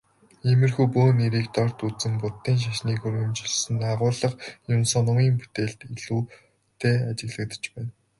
Иймэрхүү бөө нэрийг дорд үзэн Буддын шашныг өргөмжилсөн агуулга Юмсуновын бүтээлд илүүтэй ажиглагдаж байна.